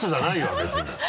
別に。